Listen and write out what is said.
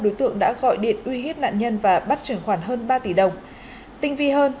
đối tượng đã gọi điện uy hiếp nạn nhân và bắt chuyển khoản hơn ba tỷ đồng tinh vi hơn